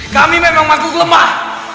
kami memang masih lemah